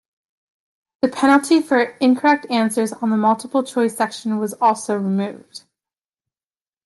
The penalty for incorrect answers on the multiple choice section was also removed.